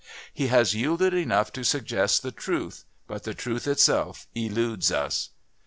He has yielded enough to suggest the truth, but the truth itself eludes us.